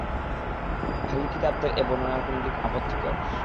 আহলি কিতাবদের এ বর্ণনার কোন কোন দিক আপত্তিকর।